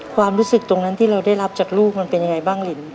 ความรู้สึกตรงนั้นที่เราได้รับจากลูกมันเป็นยังไงบ้างลิน